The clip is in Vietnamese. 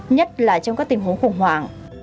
nhất là trong các tình huống khủng hoảng